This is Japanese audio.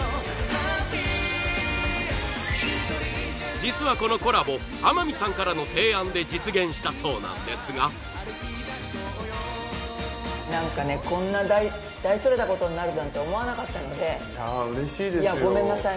実はこのコラボ天海さんからの提案で実現したそうなんですが何かねこんな大それたことになるなんて思わなかったのでいや嬉しいですよいやごめんなさい